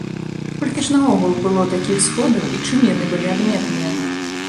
Колькі ж наогул было такіх сходаў і чым яны былі адметныя?